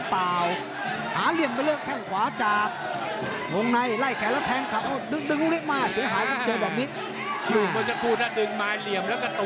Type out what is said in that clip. ตั้งถึงตัวตลอดแล้วตอนนี้